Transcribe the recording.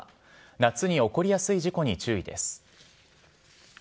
夏に起こりやすい事故に注意です。